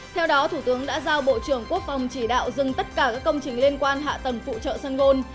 theo đó thủ tướng đã giao bộ trưởng quốc phòng chỉ đạo dừng tất cả các công trình liên quan hạ tầng phụ trợ sơn gôn